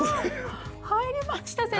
入りました先生！